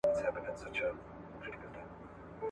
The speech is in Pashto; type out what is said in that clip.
نوې څېړنې د دې نبات نورې ګټې ښیي.